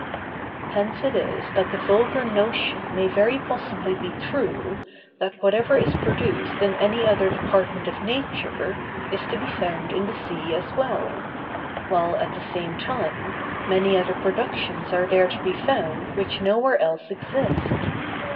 Hence it is that the vulgar notion may very possibly be true, that whatever is produced in any other department of Nature, is to be found in the sea as well; while, at the same time, many other productions are there to be found which nowhere else exist.